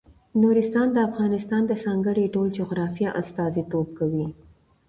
نورستان د افغانستان د ځانګړي ډول جغرافیه استازیتوب کوي.